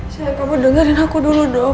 sayang kamu dengerin aku dulu dong